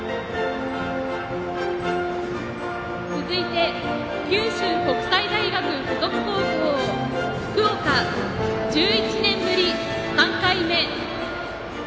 続いて九州国際大学付属高校、福岡１１年ぶり３回目。